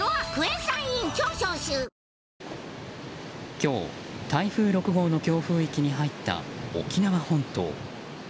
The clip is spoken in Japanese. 今日、台風６号の強風域に入った沖縄本島。